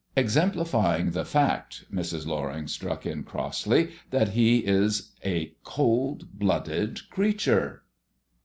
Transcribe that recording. "Exemplifying the fact," Mrs. Loring struck in crossly, "that he is a cold blooded creature."